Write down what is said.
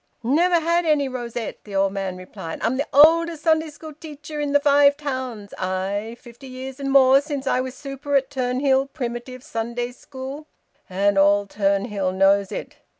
"Never had any rosette," the old man replied. "I'm th' oldest Sunday schoo' teacher i' th' Five Towns. Aye! Fifty years and more since I was Super at Turnhill Primitive Sunday schoo', and all Turnhill knows on it.